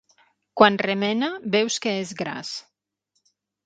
Quan remena veus que és gras.